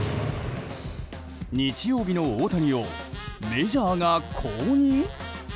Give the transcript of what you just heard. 日曜日の大谷をメジャーが公認？